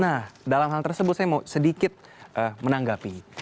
nah dalam hal tersebut saya mau sedikit menanggapi